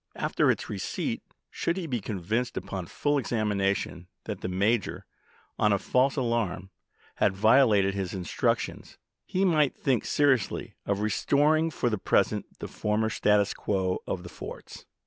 After its receipt, should he be convinced upon full examination that the Major, on a false alarm, had violated his instructions, he might then think Si? Td " seriously of restoring for the present the former tion/'p.V. status quo of the forts."